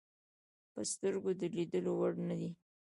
په سترګو د لیدلو وړ نه دي.